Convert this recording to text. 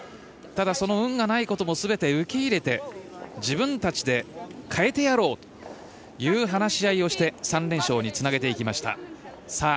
ただ、その運がないこともすべて受け入れて自分たちで変えてやろうという話し合いをして３連勝につなげていきました。